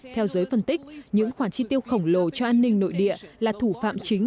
theo giới phân tích những khoản chi tiêu khổng lồ cho an ninh nội địa là thủ phạm chính